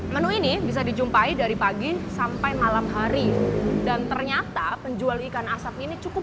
menu ini bisa dijumpai dari pagi sampai malam hari dan ternyata penjual ikan asap ini cukup